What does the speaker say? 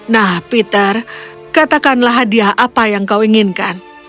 nah peter katakanlah hadiah apa yang kau inginkan